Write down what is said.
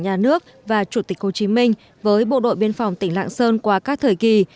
nhà nước và chủ tịch hồ chí minh với bộ đội biên phòng tỉnh lạng sơn qua các thời kỳ